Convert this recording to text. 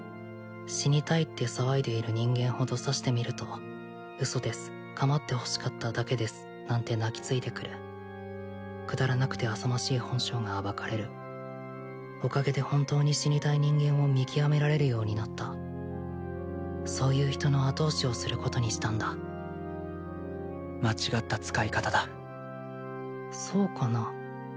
死にたいって騒いでいる人間ほど刺してみると嘘ですかまってほしかっただけですなんて泣きついてくるくだらなくてあさましい本性が暴かれるおかげで本当に死にたい人間を見極められるようになったそういう人の後押しをすることにしたんだ間違った使い方だそうかな？